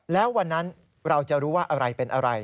แล้ววันนั้นเราจะรู้ว่าอะไรเป็นอะไร